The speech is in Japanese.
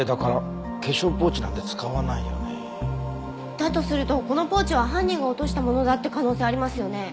だとするとこのポーチは犯人が落としたものだって可能性ありますよね？